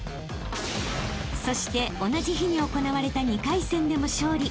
［そして同じ日に行われた２回戦でも勝利］